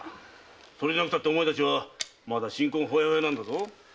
それでなくてもお前たちはまだ新婚ホヤホヤなんだぞ。